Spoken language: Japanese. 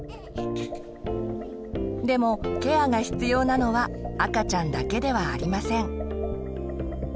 でもケアが必要なのは赤ちゃんだけではありません。